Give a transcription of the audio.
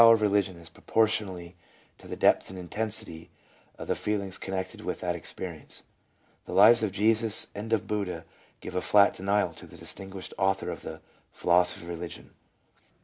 317 of religion is proportional to the depth and intensity of the feelings connected with that experience. The lives of Jesus and of Buddha give a flat denial to the distinguished author of the "Philosophy of Eeligion."